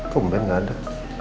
kok mungkin gak ada